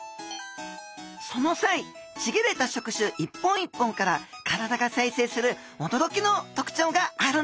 その際ちぎれた触手一本一本から体が再生するおどろきの特徴があるんですよ。